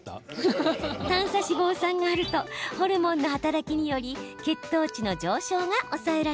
短鎖脂肪酸があるとホルモンの働きにより血糖値の上昇が抑えられます。